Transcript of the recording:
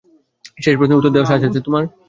সেই প্রশ্নের উত্তর দেওয়ার সাহস আছে তোমার?